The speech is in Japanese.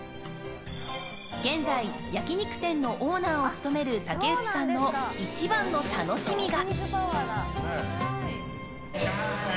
現在焼き肉店のオーナーを務める武内さんの、一番の楽しみが。